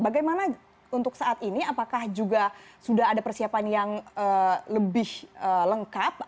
bagaimana untuk saat ini apakah juga sudah ada persiapan yang lebih lengkap